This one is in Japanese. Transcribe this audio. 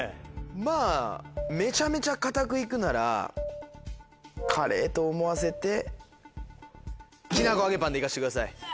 まぁめちゃめちゃ堅く行くならカレーと思わせてきなこ揚げパンで行かせてください。